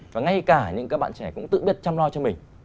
và ngay cả những các bạn trẻ cũng tự biết chăm lo cho mình